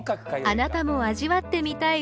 あなたも味わってみたい